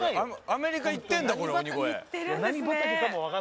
アメリカ行ってんだこれ鬼越。